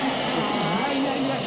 いやいやいやいや。